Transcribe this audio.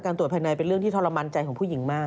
ตรวจภายในเป็นเรื่องที่ทรมานใจของผู้หญิงมาก